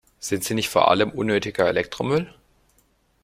Sind sie nicht vor allem unnötiger Elektromüll?